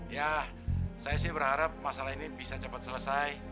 ya saya sih berharap masalah ini bisa cepat selesai